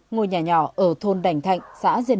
ngôi nhà nhỏ ở thôn đành thạnh xã diên